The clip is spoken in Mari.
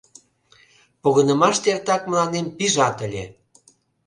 — Погынымаште эртак мыланем пижат ыле!